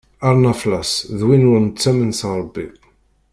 Arnaflas d win ur nettamen s Rebbi.